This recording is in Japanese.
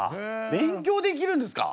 勉強できるんですか？